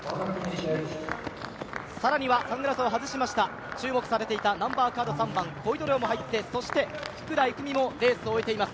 更にはサングラスを外しました注目されていた３番小井戸涼も入って、福良郁美もレースを終えています。